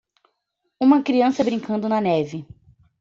uma criança brincando na neve.